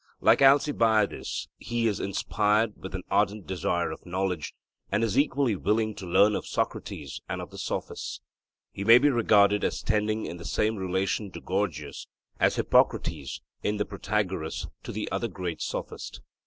Like Alcibiades he is inspired with an ardent desire of knowledge, and is equally willing to learn of Socrates and of the Sophists. He may be regarded as standing in the same relation to Gorgias as Hippocrates in the Protagoras to the other great Sophist.